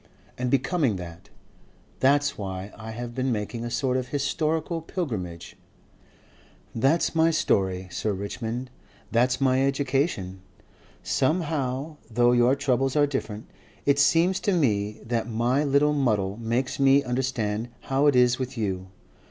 And becoming that. That's why I have been making a sort of historical pilgrimage.... That's my story, Sir Richmond. That's my education.... Somehow though your troubles are different, it seems to me that my little muddle makes me understand how it is with you.